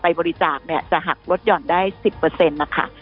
ไปบริจาคเนี่ยจะหักรถหย่อนได้สิบเปอร์เซ็นต์นะคะ